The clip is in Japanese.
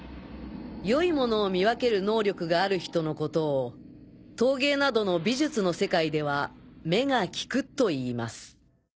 良い物を見分ける能力がある人の事を陶芸などの美術の世界では目が利くと言います。